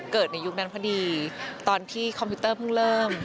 ในยุคนั้นพอดีตอนที่คอมพิวเตอร์เพิ่งเริ่ม